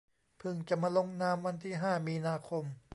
พึ่งจะมาลงนามวันที่ ห้า มีนาคม